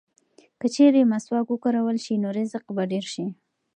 که چېرې مسواک وکارول شي نو رزق به ډېر شي.